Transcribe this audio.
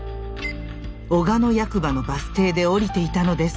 小鹿野役場のバス停で降りていたのです。